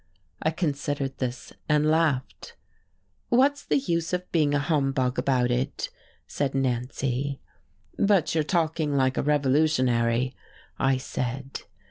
I considered this, and laughed. "What's the use of being a humbug about it," said Nancy. "But you're talking like a revolutionary," I said.